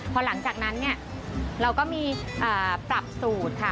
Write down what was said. พอหลังจากนั้นเนี่ยเราก็มีปรับสูตรค่ะ